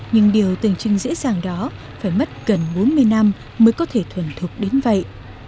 nhưng điều từng chứng dễ dàng đó phải mất gần bốn mươi năm mới có thể thuần thuộc đến vậy